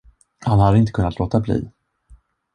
Han hade inte kunnat låta bli.